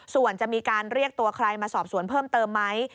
ส่วนจะมีการเรียกตัวใครมาสอบสวนเพิ่มเติมไหม